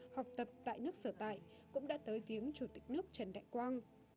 học tập tại nước sở tại cũng đã tới viếng chủ tịch nước trần đại quang